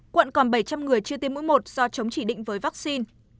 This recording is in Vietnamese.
quận còn bảy trăm linh người chưa tiêm mũi một do chống chỉ định với vaccine